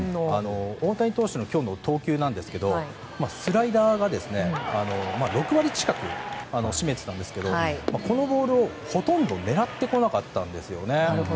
大谷投手の今日の投球なんですけどスライダーが６割近く占めていたんですけどこのボールを、ほとんど狙ってこなかったんですよね。